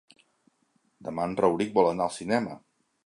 Demà en Rauric vol anar al cinema.